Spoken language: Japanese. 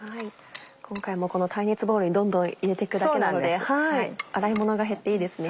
今回もこの耐熱ボウルにどんどん入れていくだけなので洗いものが減っていいですね。